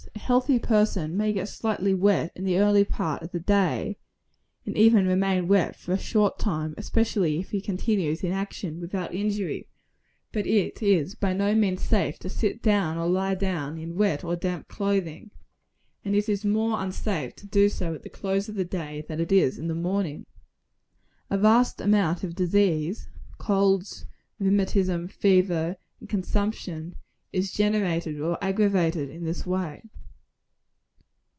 A healthy person may get slightly wet in the early part of the day, and even remain wet for a short time, especially if he continues in action, without injury: but it is by no means safe to sit down, or lie down, in wet or damp clothing; and it is more unsafe to do so at the close of the day, than it is in the morning. A vast amount of disease colds, rheumatism, fever and consumption is generated or aggravated in this way.